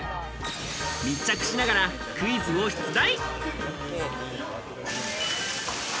密着しながらクイズを出題。